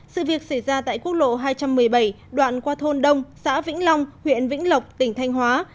sự việc xảy ra tại quốc lộ hai trăm một mươi bảy đoạn qua thôn đông xã vĩnh long huyện vĩnh lộc tỉnh thanh hóa